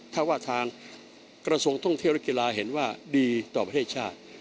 ถ้าว่าทางกระทรวงท่องเที่ยวและกีฬาเห็นว่าดีต่อประเทศชาติ